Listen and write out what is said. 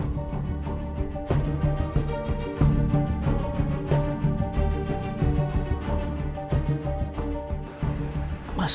maksudnya apa sih